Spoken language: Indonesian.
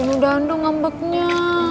rin udah ando ngambeknya